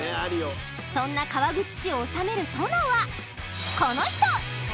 そんな川口市を治める殿はこの人！